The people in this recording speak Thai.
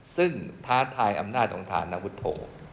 ซึ่งท้าทายอำนาจของฐานวุฒโธ